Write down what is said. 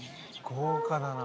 豪華だな。